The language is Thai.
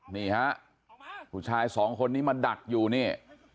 นี่ฮะผู้ชายสองคนนี้มาดักอยู่นี่